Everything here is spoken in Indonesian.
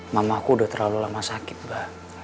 mamaku udah terlalu lama sakit ba